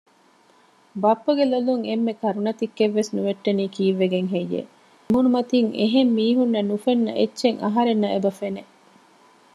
ބައްޕަގެ ލޮލުން އެންމެ ކަރުނަ ތިއްކެއްވެސް ނުވެއްޓުނީ ކީއްވެގެން ހެއްޔެވެ؟ އެމޫނުމަތިން އެހެންމީހުންނަށް ނުފެންނަ އެއްޗެއް އަހަރެނަށް އެބަފެނެ